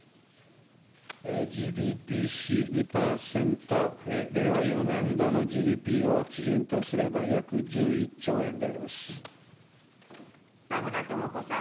ＧＤＰ比２％令和４年度のＧＤＰを基準とすれば、田村智子さん。